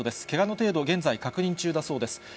けがの程度、現在、確認中だそうです。